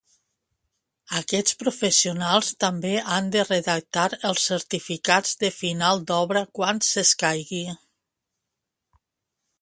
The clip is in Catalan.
Aquests professionals també han de redactar els certificats de final d'obra quan s'escaigui.